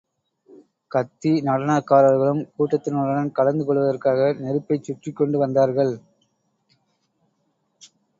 கத்தி நடனக்காரர்களும் கூட்டத்தினருடன் கலந்து கொள்வதற்காக நெருப்பைச் சுற்றிக் கொண்டு வந்தார்கள்.